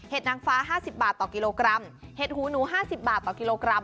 นางฟ้า๕๐บาทต่อกิโลกรัมเห็ดหูหนูห้าสิบบาทต่อกิโลกรัม